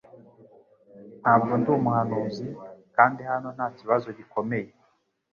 Ntabwo ndi umuhanuzi - kandi hano nta kibazo gikomeye;